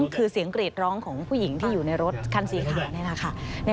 คือเสียงเกรดร้องของผู้หญิงที่อยู่ในรถคันสี่ขา